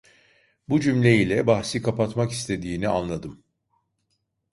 Bu cümle ile bahsi kapatmak istediğini anladım.